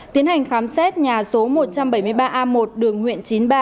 tiến hành khám xét nhà số một trăm bảy mươi ba a một đường huyện chín mươi ba